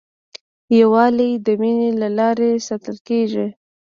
یووالی د مینې له لارې ساتل کېږي.